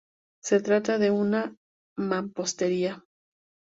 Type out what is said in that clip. Se trata de una mampostería.